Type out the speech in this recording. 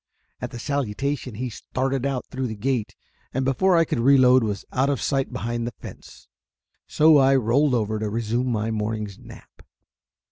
At the salutation, he started out through the gate, and before I could reload, was out of sight behind the fence, so I rolled over to resume my morning's nap.